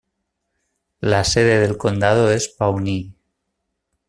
La sede del condado es Pawnee.